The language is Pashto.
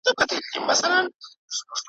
ښار به نه وي یو وطن به وي د مړو `